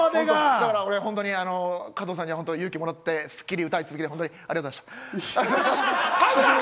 だから俺、加藤さんに勇気もらって『スッキリ』で歌い続けて、ありがとうございました。